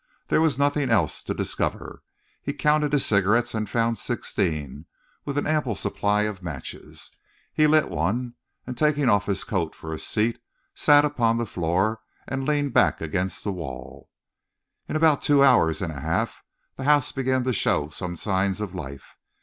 There was nothing else to discover. He counted his cigarettes and found sixteen, with an ample supply of matches. He lit one, and, taking off his coat for a seat, sat upon the floor and leaned back against the wall. In about two hours and a half the house began to show some signs of life.